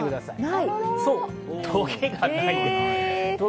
トゲがないんです。